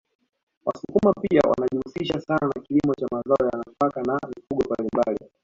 Wasukuma pia wanajihusisha sana na kilimo cha mazao ya nafaka na mifugo mbalimbali